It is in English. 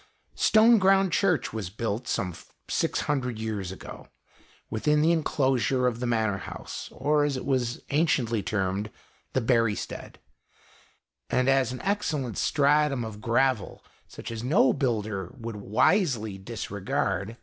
Stoneground Church was built, some 600 years ago, within the enclosure of the Manor House, or, as it was anciently termed, the Burystead, and an excellent stratum of gravel such as no builder would wisely disregard, 67 GHOST TALES.